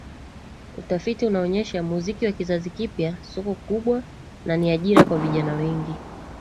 Utafiti unaonyesha muziki wa kizazi kipya soko kubwa na ni ajira kwa vijana wengi